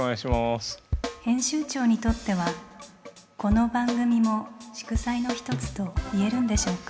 編集長にとってはこの番組も祝祭の一つと言えるんでしょうか。